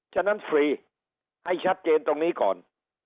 ฉะนั้นฟรีให้ชัดเจนตรงนี้ก่อน